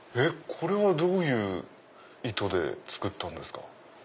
これはどういう意図で作ったんですか？